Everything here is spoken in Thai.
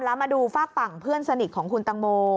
แล้วมาดูฝากฝั่งเพื่อนสนิทของคุณตังโม